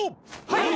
はい！